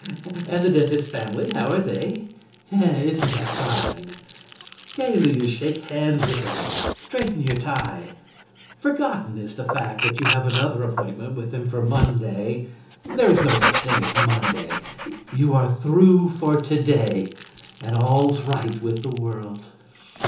A ha ha ha ha ha!... And the dentist's family, how are they? Isn't that fine! Gaily you shake hands with him and straighten your tie. Forgotten is the fact that you have another appointment with him for Monday. There is no such thing as Monday. You are through for today, and all's right with the world.